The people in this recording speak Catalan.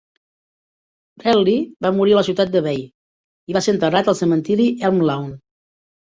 Bradley va morir a la ciutat de Bay i va ser enterrat al cementiri Elm Lawn.